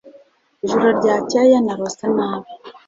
Ijoro ryakeye narose nabi